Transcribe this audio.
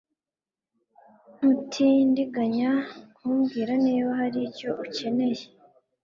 Ntutindiganya kumbwira niba hari icyo ukeneye